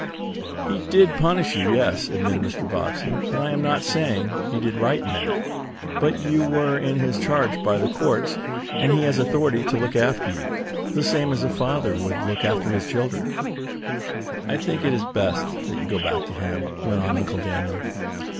"He did punish you, yes," admitted Mr. Bobbsey, "and I am not saying he did right in that. But you were put in his charge by the courts, and he has authority to look after you, the same as a father would look after his children." "I think it is best that you go back to him," went on Uncle Daniel.